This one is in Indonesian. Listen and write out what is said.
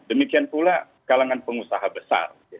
demikian pula kalangan pengusaha besar